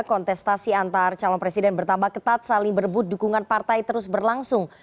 kontestasi antar calon presiden bertambah ketat saling berebut dukungan partai terus berlangsung